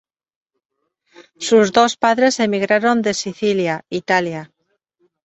Sus dos padres emigraron de Sicilia, Italia.